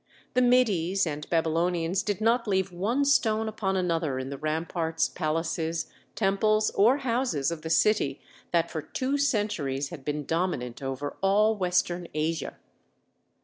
The Medes and Babylonians did not leave one stone upon another in the ramparts, palaces, temples, or houses of the city that for two centuries had been dominant over all Western Asia.